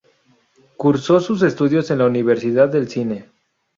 Cursó sus estudios en la Universidad del Cine.